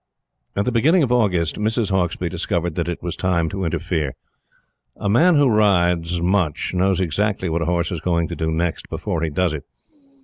At the beginning of August, Mrs. Hauksbee discovered that it was time to interfere. A man who rides much knows exactly what a horse is going to do next before he does it.